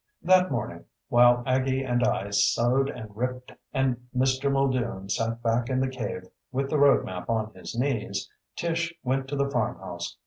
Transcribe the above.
That morning, while Aggie and I sewed and ripped and Mr. Muldoon sat back in the cave with the road map on his knees, Tish went to the farmhouse.